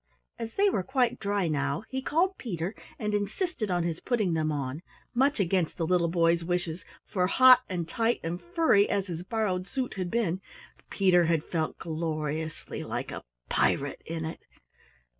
As they were quite dry now, he called Peter and insisted on his putting them on, much against the little boy's wishes, for hot and tight and furry as his borrowed suit had been, Peter had felt gloriously like a pirate in it!